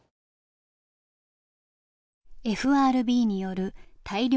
ＦＲＢによる大量の緩和